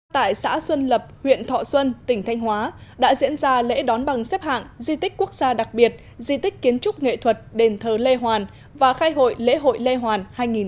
tại xã xuân lập huyện thọ xuân tỉnh thanh hóa đã diễn ra lễ đón bằng xếp hạng di tích quốc gia đặc biệt di tích kiến trúc nghệ thuật đền thờ lê hoàn và khai hội lễ hội lê hoàn hai nghìn một mươi chín